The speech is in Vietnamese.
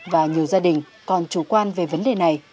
và nhiều gia đình còn chủ quan về vấn đề này